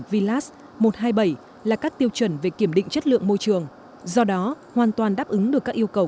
vlas một trăm hai mươi bảy là các tiêu chuẩn về kiểm định chất lượng môi trường do đó hoàn toàn đáp ứng được các yêu cầu